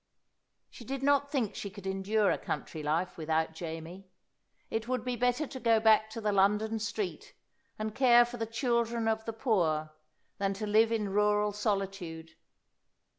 She did not think she could endure a country life without Jamie. It would be better to go back to the London street, and care for the children of the poor, than live in rural solitude.